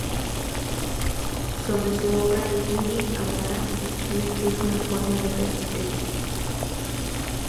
Sobre su obra Luigi Amara escribe que "es una forma de resistencia.